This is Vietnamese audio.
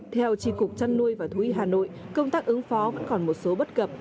theo chỉ cục chăn nuôi và thúy hà nội công tác ứng phó vẫn còn một số bất cập